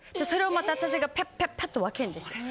それをまた私がパッパッパッと分けるんです。